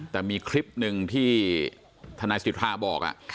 แต่มีคลิปหนึ่งที่ทนายสิทธาบอก